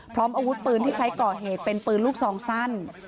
พร้อมอาวุธปืนที่ใช้ก่อเหตุเป็นปืนลูกซองสั้น